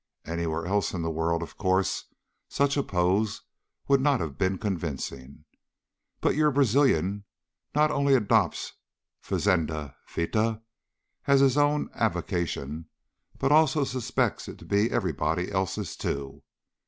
Anywhere else in the world, of course, such a pose would not have been convincing. But your Brazilian not only adopts fazenda fita as his own avocation, but also suspects it to be everybody else's too.